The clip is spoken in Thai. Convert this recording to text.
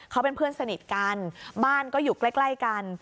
เขาเป็นเพื่อนสนิทกันบ้านก็อยู่ใกล้กัน